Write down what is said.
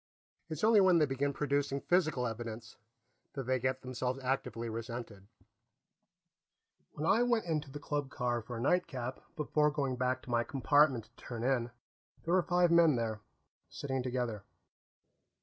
It's only when they begin producing physical evidence that they get themselves actively resented. When I went into the club car for a nightcap before going back to my compartment to turn in, there were five men there, sitting together.